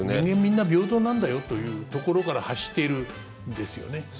人間みんな平等なんだよというところから発しているんですよね。